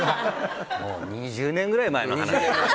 もう２０年ぐらい前の話ですよ。